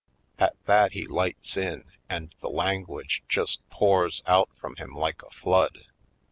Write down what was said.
At that he lights in and the language just pours out from him like a flood.